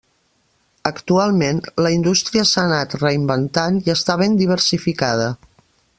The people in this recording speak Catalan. Actualment, la indústria s'ha anat reinventant i està ben diversificada.